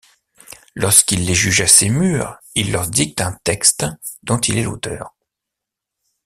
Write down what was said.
Lorsqu’il les juge assez mûrs, il leur dicte un texte dont il est l’auteur.